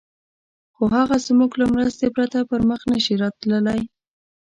خو هغه زموږ له مرستې پرته پر مخ نه شي تللای.